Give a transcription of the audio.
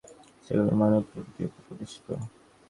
আবার কতকগুলি সত্য আছে, সেগুলি মানবপ্রকৃতির উপর প্রতিষ্ঠিত।